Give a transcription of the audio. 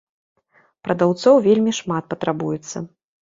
Прадаўцоў вельмі шмат патрабуецца.